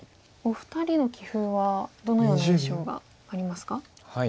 お二人の棋風はどのような印象がありますか？